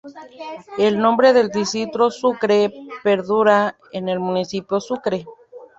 El nombre del distrito Sucre perdura en el municipio Sucre.